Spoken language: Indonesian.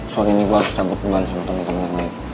sorry ini gue harus cabut bulan sama temen temen yang lain